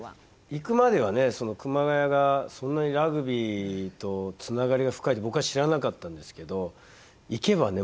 行くまではね熊谷がそんなにラグビーとつながりが深いって僕は知らなかったんですけど行けばね